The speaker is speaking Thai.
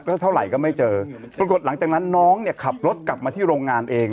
ก็เท่าไหร่ก็ไม่เจอปรากฏหลังจากนั้นน้องเนี่ยขับรถกลับมาที่โรงงานเอง